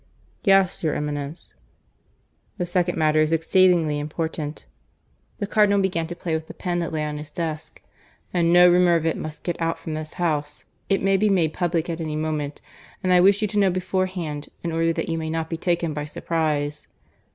"Yes, your Eminence." "The second matter is exceedingly important." (The Cardinal began to play with the pen that lay on his desk.) "And no rumour of it must get out from this house. It may be made public at any moment, and I wish you to know beforehand in order that you may not be taken by surprise.